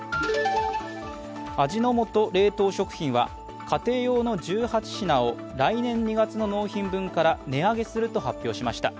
味の素冷凍食品は家庭用の１８品を来年２月の納品分から値上げすると発表しました。